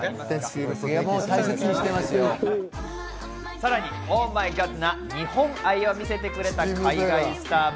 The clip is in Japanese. さらにＯｈｍｙＧｏｄな日本愛を見せてくれた海外スターも。